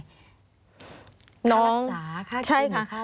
ค่ารักษาค่ากินค่าอะไร